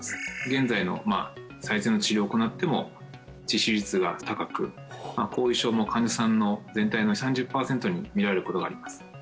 現在の最善の治療を行っても致死率が高くまあ後遺症も患者さんの全体の３０パーセントに見られることがあります